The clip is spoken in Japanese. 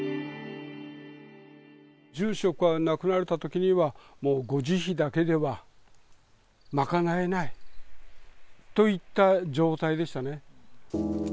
住職が亡くなられたときには、もうご慈悲だけでは、賄えないといった状態でしたね。